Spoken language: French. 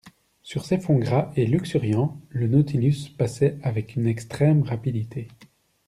Sur ces fonds gras et luxuriants, le Nautilus passait avec une extrême rapidité.